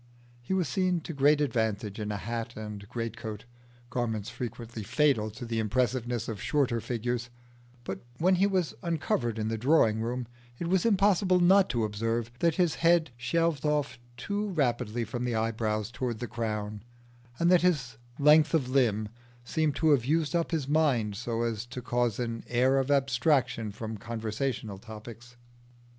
He was seen to great advantage in a hat and greatcoat garments frequently fatal to the impressiveness of shorter figures; but when he was uncovered in the drawing room, it was impossible not to observe that his head shelved off too rapidly from the eyebrows towards the crown, and that his length of limb seemed to have used up his mind so as to cause an air of abstraction from conversational topics.